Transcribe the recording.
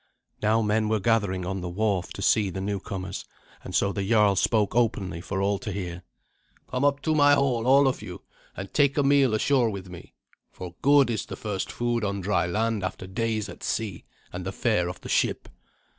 Now men were gathering on the wharf to see the newcomers, and so the jarl spoke openly for all to hear. "Come up to my hall, all of you, and take a meal ashore with me; for good is the first food on dry land after days at sea and the fare of the ship."